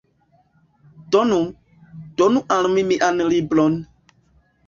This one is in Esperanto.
Donu! Donu al mi mian libron!